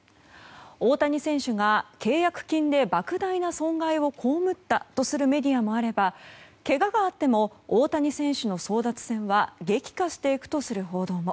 大谷選手が契約金で莫大な損害を被ったとするメディアもあればけががあっても大谷選手の争奪戦は激化していくとする報道も。